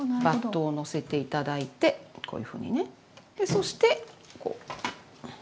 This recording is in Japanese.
そしてこう。